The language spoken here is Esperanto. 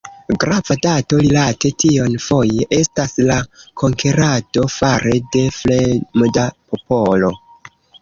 Grava dato rilate tion foje estas la konkerado fare de fremda popolo.